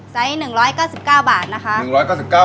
ไซส์๑๙๙บาทนะคะ